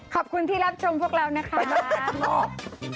ขอบคุณที่รับชมพวกเรานะคะเป็นกันทั้งรอบ